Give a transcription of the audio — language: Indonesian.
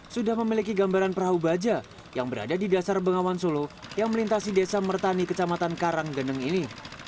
sudah memiliki gambaran perahu baja yang berada di dasar bengawan solo yang melintasi desa mertani kecamatan karanggeneng ini